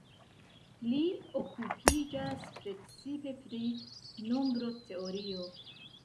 Li okupiĝas precipe pri nombroteorio.